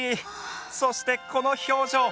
そしてこの表情。